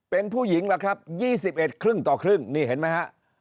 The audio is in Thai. เป็นผู้หญิงล่ะครับ๒๑ครึ่งต่อครึ่งนี่เห็นไหมฮะ